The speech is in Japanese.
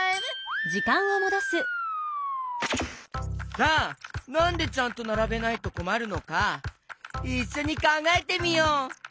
さあなんでちゃんとならべないとこまるのかいっしょにかんがえてみよう！